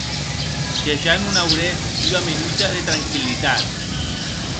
Que ja non aurè ua menuta de tranquillitat.